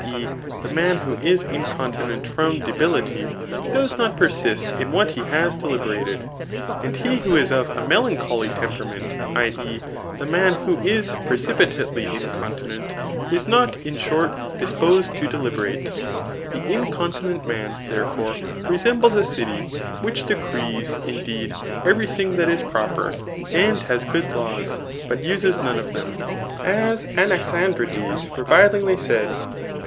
e. the man who is inconti nent from debility] does not persist in what he has deli berated ; and he who is of a melancholy temperament, Arist. VOL. 11. R Digitized by Google 274 THE NICOMACH£AN BOOK VIU [i. e, the man who is precipitately inamdnent,] is xk>^ in short, disposed to deliberate. The incontinent man, therefore, resembles a city, which decrees, indeed, every thing that is proper, and has good laws, but uses none of them, as Anaxandrides revilingly said.